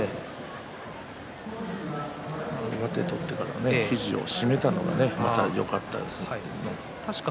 上手を取ったからね肘を締めたのがよかったですね。